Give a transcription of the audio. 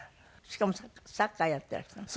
しかもサッカーやっていらしたの？